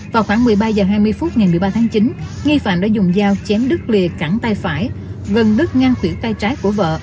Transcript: vào khoảng một mươi ba h hai mươi phút ngày một mươi ba tháng chín nghi phạm đã dùng dao chém đứt lìa cẳng tay phải gần nứt ngang tuyển tay trái của vợ